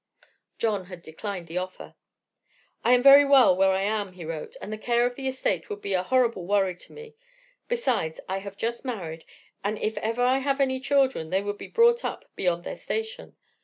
John had declined the offer. "I am very well where I am," he wrote, "and the care of the estate would be a horrible worry to me; besides, I have just married, and if I ever have any children they would be brought up beyond their station.